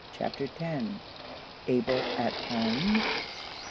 CHAPTER X. ABEL AT HOME.